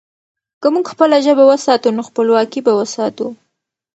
که موږ خپله ژبه وساتو، نو خپلواکي به وساتو.